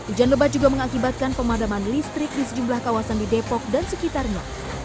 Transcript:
hujan lebat juga mengakibatkan pemadaman listrik di sejumlah kawasan di depok dan sekitarnya